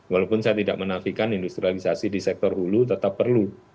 walaupun saya tidak menafikan industrialisasi di sektor hulu tetap perlu